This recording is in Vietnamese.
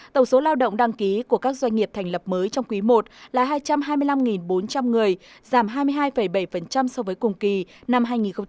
tổng số lao động đăng ký của các doanh nghiệp thành lập mới trong quý i là hai trăm hai mươi năm bốn trăm linh người giảm hai mươi hai bảy so với cùng kỳ năm hai nghìn một mươi tám